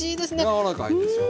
柔らかいんですよ。